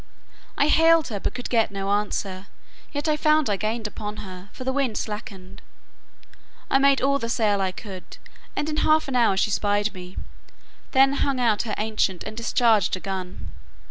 I hailed her, but could get no answer; yet I found I gained upon her, for the wind slackened. I made all the sail I could, and in half an hour she spied me, then hung out her ancient, and discharged a gun.